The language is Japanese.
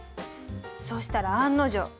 そしたら案の定。